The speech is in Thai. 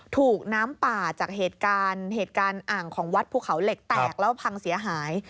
ถูกน้ำป่าจากเหตุการณ์เหตุการณ์อ่างของวัดภูเขาเหล็กแตกแล้วพังเสียหาย